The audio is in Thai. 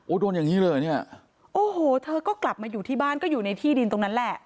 โดนอย่างนี้เลยเหรอเนี่ยโอ้โหเธอก็กลับมาอยู่ที่บ้านก็อยู่ในที่ดินตรงนั้นแหละ